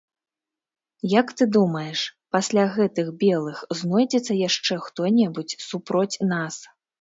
Як ты думаеш, пасля гэтых белых знойдзецца яшчэ хто-небудзь супроць нас?